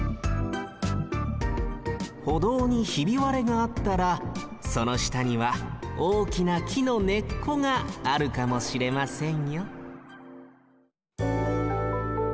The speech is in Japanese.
歩道にひびわれがあったらそのしたにはおおきなきのねっこがあるかもしれませんよ